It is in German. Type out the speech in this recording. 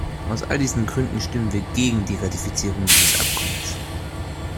Aus all diesen Gründen stimmen wir gegen die Ratifizierung dieses Abkommens.